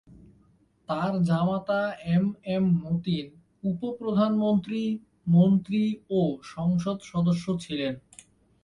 তার জামাতা M M Matin উপ-প্রধানমন্ত্রী, মন্ত্রী ও সংসদ সদস্য ছিলেন।